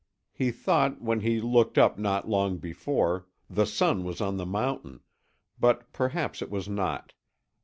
He thought when he looked up not long before, the sun was on the mountain, but perhaps it was not.